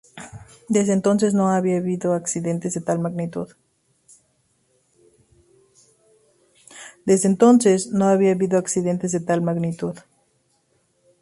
Desde entonces, no ha habido accidentes de tal magnitud.